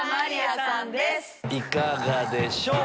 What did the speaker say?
いかがでしょう？